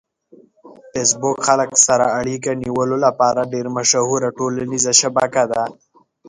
فېسبوک خلک سره اړیکه نیولو لپاره ډېره مشهوره ټولنیزه شبکه ده.